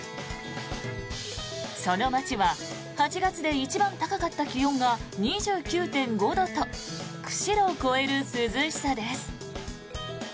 その街は８月で一番高かった気温が２９．５度と釧路を超える涼しさです。